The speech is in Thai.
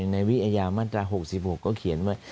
ในวิยามตรา๖๖เขาเขียนว่า